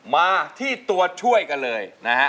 มาที่ตัวช่วยกันเลยนะฮะ